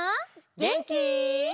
げんき？